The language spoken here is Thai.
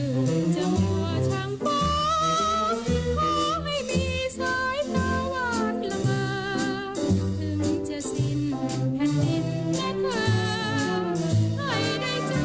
ถึงจะสิ้นแผ่นนิดและเธอ